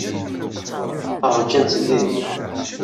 Ṛjan-tt din.